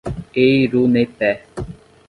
Eirunepé